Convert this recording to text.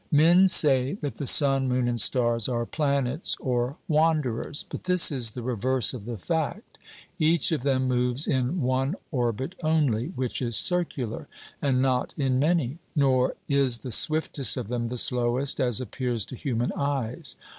Men say that the sun, moon, and stars are planets or wanderers; but this is the reverse of the fact. Each of them moves in one orbit only, which is circular, and not in many; nor is the swiftest of them the slowest, as appears to human eyes.